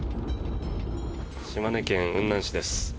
島根県雲南市です。